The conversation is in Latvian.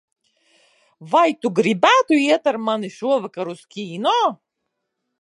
Vai tu gribētu iet ar mani šovakar uz kino?